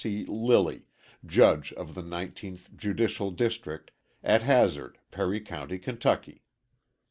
C. Lilly, Judge of the 19th Judicial District, at Hazard, Perry County, Kentucky.